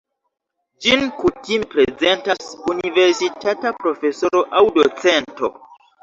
Ĝin kutime prezentas universitata profesoro aŭ docento.